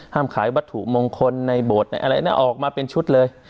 ห้ามขายวัตถุมงคลในบทอะไรอันนั้นออกมาเป็นชุดเลย